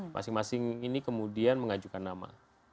masing masing ini kemudian mengajukan nama